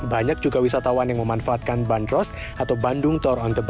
banyak juga wisatawan yang memanfaatkan bandros atau bandung tour on the best